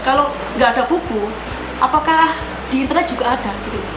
kalau nggak ada buku apakah di internet juga ada